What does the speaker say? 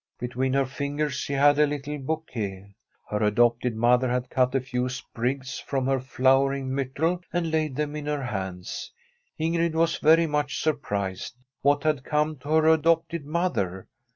Between her fingers she had a little bouquet. Her adopted mother had cut a few sprigs from her flowering myrtle, and laid them in her hands. Ingrid was very much surprised. What had come to her adopted mother?